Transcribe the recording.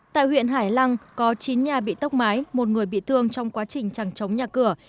tại huyện hải lăng có chín nhà bị tốc mái một người bị thương trong quá trình chẳng chống nhà cửa